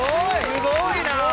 すごいなあ！